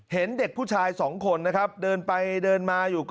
เห็นเด็กผู้ชายสองคนนะครับเดินไปเดินมาอยู่